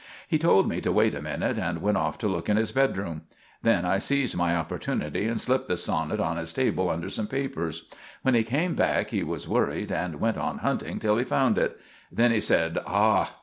He told me to wait a minute, and went off to look in his bedroom. Then I seezed my opportunity, and slipped the sonnit on his table under some papers. When he came back he was worried, and went on hunting till he found it. Then he said "Ah!"